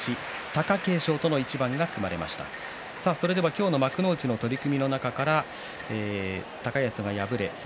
今日の幕内の取組の中から高安が敗れ